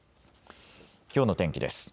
きょうの天気です。